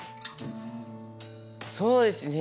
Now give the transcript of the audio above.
そうですね